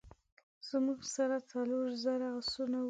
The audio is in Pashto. زموږ سره څلور زره آسونه وه.